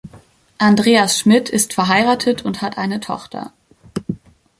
Andreas Schmidt ist verheiratet und hat eine Tochter.